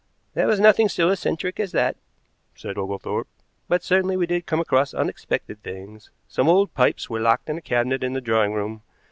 "There was nothing so eccentric as that," said Oglethorpe, "but certainly we did come across unexpected things. Some old pipes were locked in a cabinet in the drawing room.